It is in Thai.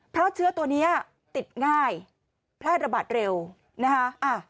เพราะเชื้อตัวนี้ติดง่ายแพร่ระบาดเร็วนะคะ